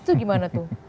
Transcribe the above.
itu gimana tuh